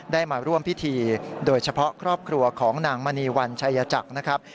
ได้มาร่วมพิธีโดยเฉพาะครอบครัวของนางมณีวันชัยจักรนะครับ